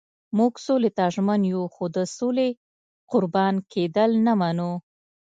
موږ سولې ته ژمن یو خو د سولې قربان کېدل نه منو.